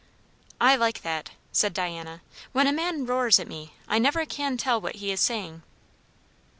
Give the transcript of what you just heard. "I like that," said Diana. "When a man roars at me, I never can tell what he is saying."